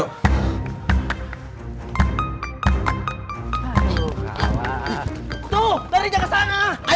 tuh dari jangan ke sana